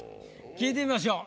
聞いてみましょう。